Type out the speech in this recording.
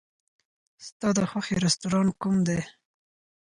ستا د خوښې رستورانت کوم دی؟